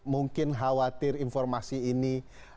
mungkin khawatir informasi ini